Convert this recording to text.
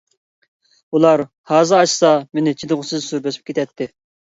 ئۇلار ھازا ئاچسا مېنى چىدىغۇسىز سۈر بېسىپ كېتەتتى.